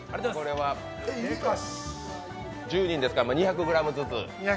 １０人ですから２００ｇずつ。